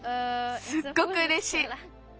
すっごくうれしい。